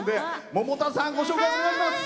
百田さん、ご紹介いただきます。